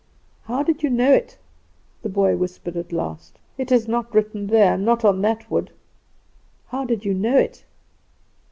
"How did you know it?" the boy whispered at last. "It is not written there not on that wood. How did you know it?"